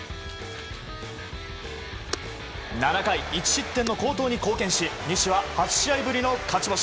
７回１失点の好投に貢献し西は８試合ぶりの勝ち越し。